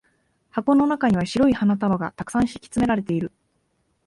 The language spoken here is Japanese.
箱の中には白い花束が沢山敷き詰められている。